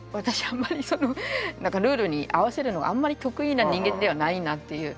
あんまりそのなんかルールに合わせるのがあんまり得意な人間ではないなっていう。